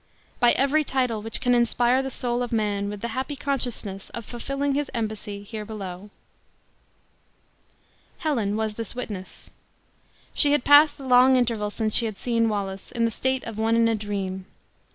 By every title which can inspire the soul of man with the happy consciousness of fulfilling his embassy here below. Helen was this witness. She had passed the long interval, since she had seen Wallace, in the state of one in a dream.